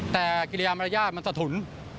แต่กิริยามารยาทมันสะทุน